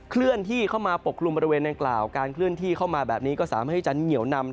เคลื่อนที่เข้ามาปกกลุ่มบริเวณดังกล่าวการเคลื่อนที่เข้ามาแบบนี้ก็สามารถให้จะเหนียวนำ